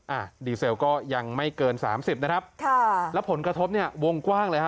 อ่ะดีเซลก็ยังไม่เกินสามสิบนะครับค่ะแล้วผลกระทบเนี่ยวงกว้างเลยฮ